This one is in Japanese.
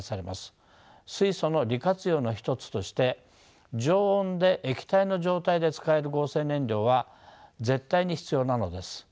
水素の利活用の一つとして常温で液体の状態で使える合成燃料は絶対に必要なのです。